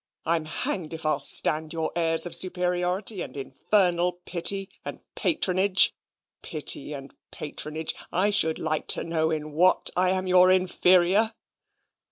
I'm hanged if I'll stand your airs of superiority and infernal pity and patronage. Pity and patronage! I should like to know in what I'm your inferior?"